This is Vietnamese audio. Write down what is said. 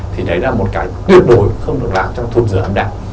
thì đấy là một cái tuyệt đối không được làm trong thuộc dửa âm đạo